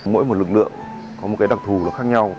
mỗi một lực lượng có một cái đặc thù khác nhau